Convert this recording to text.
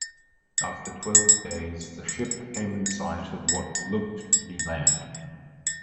After twelve days, the ship came in sight of what looked to be land.